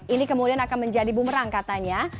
ini kemudian akan menjadi bumerang katanya